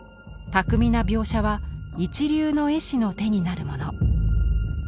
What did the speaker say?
巧みな描写は一流の絵師の手になるもの。